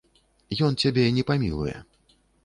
Ён цябе не памілуе.